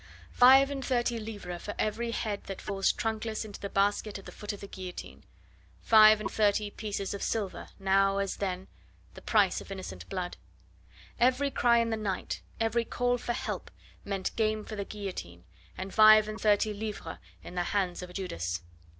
Five and thirty livres for every head that falls trunkless into the basket at the foot of the guillotine! Five and thirty pieces of silver, now as then, the price of innocent blood. Every cry in the night, every call for help, meant game for the guillotine, and five and thirty livres in the hands of a Judas.